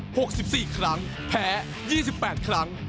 แผล๑๔ครั้ง